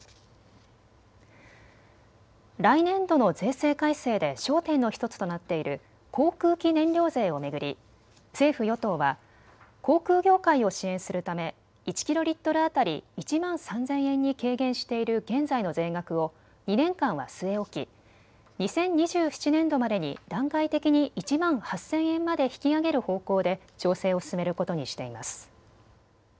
来年度の税制改正で焦点の１つとなっている航空機燃料税を巡り政府与党は航空業界を支援するため１キロリットル当たり１万３０００円に軽減している現在の税額を２年間は据え置き２０２７年度までに段階的に１万８０００円まで引き上げる方向で調整を進めることにしています。